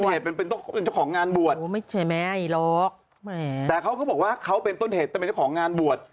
เหมือนเขาเป็นต้นเหตุเป็นเจ้าของงานบวชแต่เขาก็บอกว่าเขาเป็นต้นเหตุแต่เป็นเจ้าของงานบวช